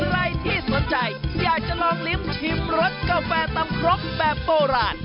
ใครที่สนใจอยากจะลองลิ้มชิมรสกาแฟตำครกแบบโบราณ